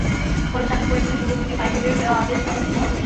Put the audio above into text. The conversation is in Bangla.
ফলে সাক্ষী পরীক্ষায় সুযোগ দিতে হাইকোর্টের দেওয়া আদেশ আপাতত বহাল রইল।